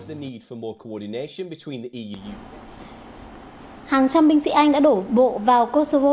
hàng trăm binh sĩ anh đã đổ bộ vào kosovo